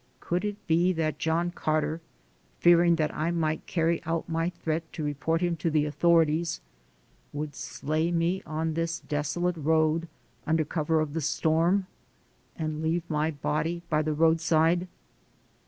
Could it be that John Carter, fearing that I might carry out my threat to report him to the authorities, would slay me on this desolate road, under cover of the storm, and leave my body by the roadside?